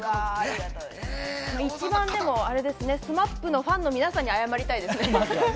一番でもＳＭＡＰのファンの皆さんに謝りたいですね。